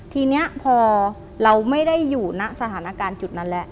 ทีนี้พอเราไม่ได้อยู่ณสถานการณ์จุดนั้นแล้ว